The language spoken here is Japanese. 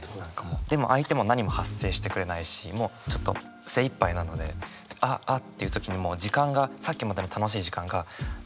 でも相手も何も発声してくれないしもうちょっと精いっぱいなのでああっていう的にもう時間がさっきまでの楽しい時間がぷつんと切れちゃう感じ。